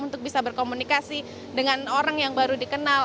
untuk bisa berkomunikasi dengan orang yang baru dikenal